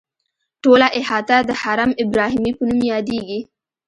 ټوله احاطه د حرم ابراهیمي په نوم یادیږي.